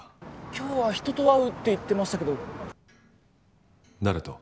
今日は人と会うって言ってましたけど誰と？